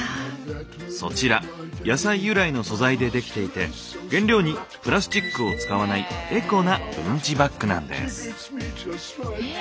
そちら野菜由来の素材でできていて原料にプラスチックを使わないエコなうんちバッグなんです。